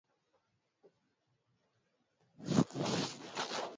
hifadhi ya serengeti inaendelea hadi nchi kenya